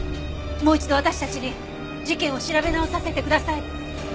もう一度私たちに事件を調べ直させてください。